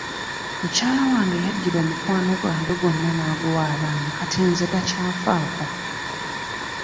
Mukyala wange yaddira omukwano gwange gwonna n'aguwa abaana kati nze takyanfaako.